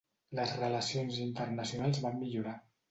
Les relacions internacionals van millorar.